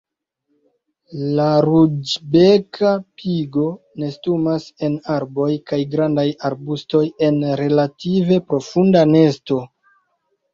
La Ruĝbeka pigo nestumas en arboj kaj grandaj arbustoj en relative profunda nesto.